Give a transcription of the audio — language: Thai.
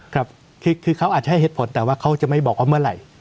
ครับคือเขาอาจจะให้เหตุผลแต่ว่าเขาจะไม่บอกว่าเมื่อไหร่